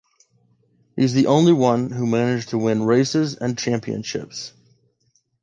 He's the only one who managed to win races and championships.